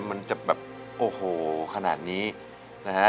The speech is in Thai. มันจะแบบโอ้โหขนาดนี้นะฮะ